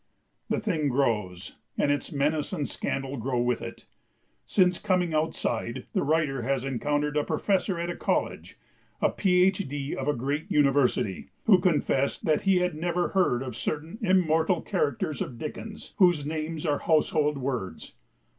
The thing grows, and its menace and scandal grow with it. Since coming "outside" the writer has encountered a professor at a college, a Ph.D. of a great university, who confessed that he had never heard of certain immortal characters of Dickens whose names are household words.